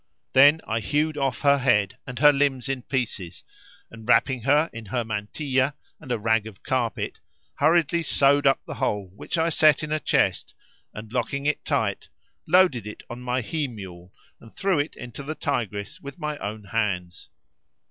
Then I hewed off her head and her limbs in pieces and, wrapping her in her mantilla and a rag of carpet, hurriedly sewed up the whole which I set in a chest and, locking it tight, loaded it on my he mule and threw it into the Tigris with my own hands.